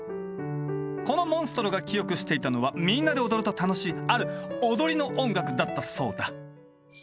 このモンストロが記憶していたのはみんなで踊ると楽しいある「踊り」の音楽だったそうだ